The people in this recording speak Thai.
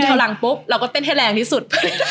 เมื่ออยู่แถวหลังปุ๊บเราก็เต้นให้แรงที่สุด